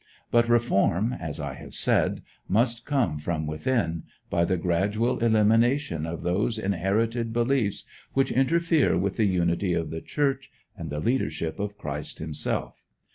But reform, as I have said, must come from within, by the gradual elimination of those inherited beliefs which interfere with the unity of the Church and the leadership of Christ himself.